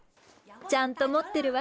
ちゃんともってるわ。